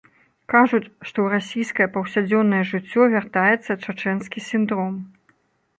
Кажуць, што ў расійскае паўсядзённае жыццё вяртаецца чачэнскі сіндром.